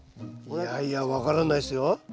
いやいや分からないですよ。